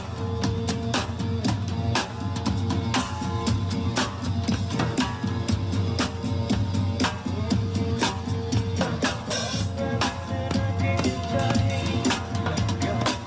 เพลง